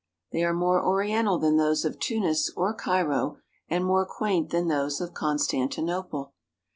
They are more oriental than those of Tunis or Cairo and more quaint than those of Constan tinople.